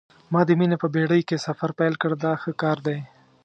ما د مینې په بېړۍ کې سفر پیل کړ دا ښه کار دی.